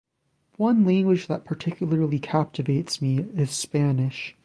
One language that particularly captivates me is Spanish.